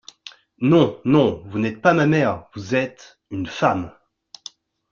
Non … non … vous n'êtes pas ma mère … Vous êtes … une femme.